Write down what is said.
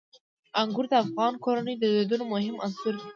انګور د افغان کورنیو د دودونو مهم عنصر دی.